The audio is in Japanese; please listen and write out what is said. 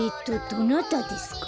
どなたですか？